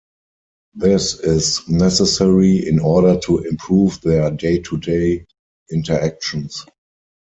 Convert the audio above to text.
This is necessary in order to improve their day-to-day interactions.